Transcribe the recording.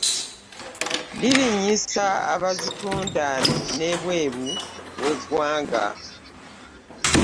Linnyisa bazitunda n'ebweru we ggwanga.